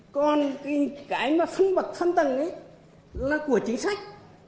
còn cái mà phân bậc phân tầng ấy là của chính sách